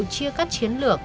chia cắt chiến lược